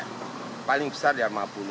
kaling besar ya lima puluh